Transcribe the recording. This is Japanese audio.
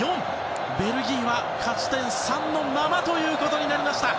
ベルギーは勝ち点３のままということになりました。